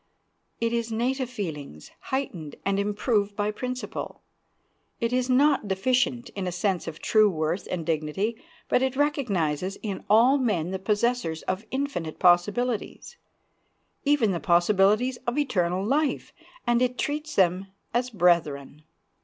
It is native feelings, heightened and improved by principle. It is not deficient in a sense of true worth and dignity, but it recognizes in all men the possessors of infinite possibilities, even the possibilities of eternal life; and it treats them as brethren.